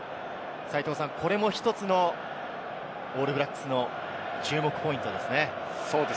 これも１つのオールブラックスの注目ポイントですね。